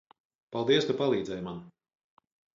Paldies, ka palīdzēji man!